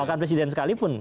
bahkan presiden sekalipun